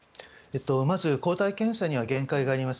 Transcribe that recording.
まず、抗体検査には限界があります。